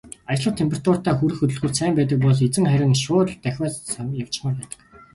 Ажиллах температуртаа хүрэх хөдөлгүүрт сайн байдаг бол эзэн харин шууд л давхиад явчихмаар байдаг.